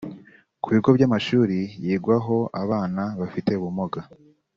Ku bigo by’amashuri yigwaho abana bafite ubumuga